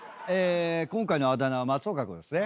今回のあだ名は松岡君ですね。